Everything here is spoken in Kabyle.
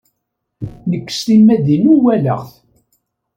Nekk s timmad-inu walaɣ-t.